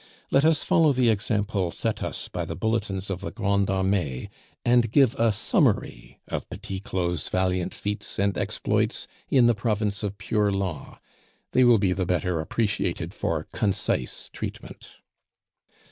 Let us follow the example set us by the Bulletins of the Grande Armee, and give a summary of Petit Claud's valiant feats and exploits in the province of pure law; they will be the better appreciated for concise treatment.